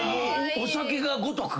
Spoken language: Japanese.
お酒がごとく。